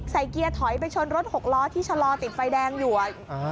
เกียร์ถอยไปชนรถหกล้อที่ชะลอติดไฟแดงอยู่